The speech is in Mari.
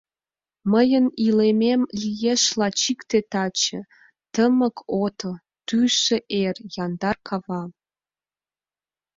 Мыйын илемем лиеш лач икте таче — Тымык ото, тусо ер, яндар кава.